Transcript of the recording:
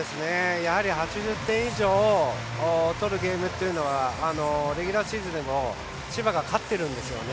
８０点以上取るゲームというのはレギュラーシーズンでも千葉が勝ってるんですよね。